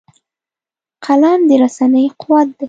قلم د رسنۍ قوت دی